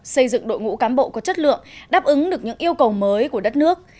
xây dựng đội ngũ cán bộ có chất lượng đáp ứng được những yêu cầu mới của đất nước